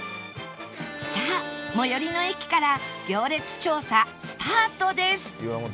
さあ最寄りの駅から行列調査スタートです！